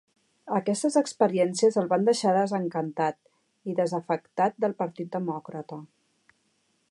Aquestes experiències el van deixar desencantat i desafectat del Partit Demòcrata.